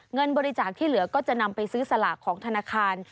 เงินบริจาคที่เหลือก็จะนำไปซื้อสลากของธนาคาร